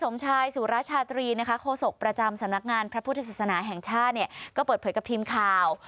พิทธิศสนาแห่งชาติเนี่ยก็เปิดเผยกับทีมข่าว